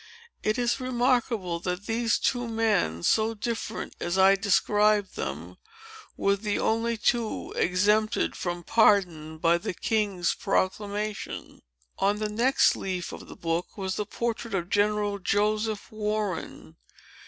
It is remarkable, that these two men, so very different as I describe them, were the only two exempted from pardon by the king's proclamation." On the next leaf of the book, was the portrait of General Joseph Warren.